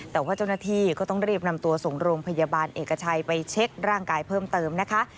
แต่ว่าเจ้าหน้าที่ก็ต้องรีบนำตัวส่งโรงพยาบาลเอกชัยไปเช็คร่างกายเพิ่มเติมนะคะ